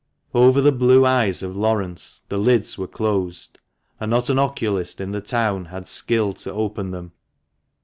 Over the blue eyes of Laurence the lids were closed, and not an oculist in the town had skill to open them.